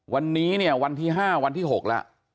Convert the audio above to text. วันนี้เนี่ยวันที่๕วันที่๖แล้ว